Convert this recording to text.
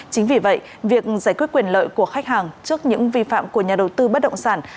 chính vì vậy việc giải quyết quyền lợi của khách hàng trước những vi phạm của nhà đầu tư bất động sản